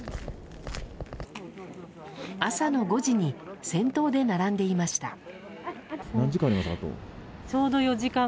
朝の５時に先頭で並んでいました。